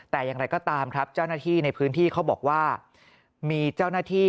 แต่อย่างไรก็ตามครับเจ้าหน้าที่ในพื้นที่เขาบอกว่ามีเจ้าหน้าที่